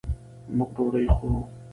موږ ډوډۍ خورو